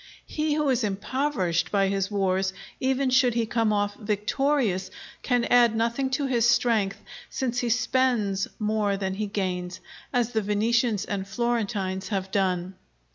He who is impoverished by his wars, even should he come off victorious, can add nothing to his strength, since he spends more than he gains, as the Venetians and Florentines have done.